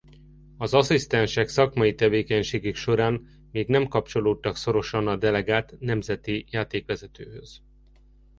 Az asszisztensek szakmai tevékenységük során még nem kapcsolódtak szorosan a delegált nemzeti játékvezetőhöz.